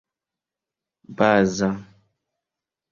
baza